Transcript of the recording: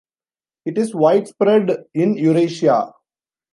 It is widespread in Eurasia.